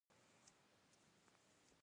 هلک له زړګي رڼا خپروي.